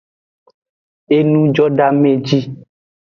Enujodeameji.